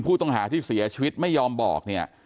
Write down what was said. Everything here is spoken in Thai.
ผู้ต้องหาที่เสียชีวิตไม่ยอมบอกเนี่ย